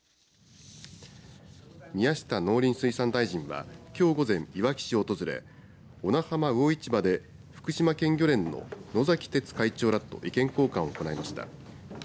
宮下農林水産大臣はきょう午前いわき市を訪れ小名浜魚市場で福島県漁連の野崎哲会長らと意見交換を行いました。